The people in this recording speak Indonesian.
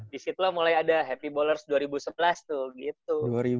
di situlah mulai ada happy bowlers dua ribu sebelas tuh gitu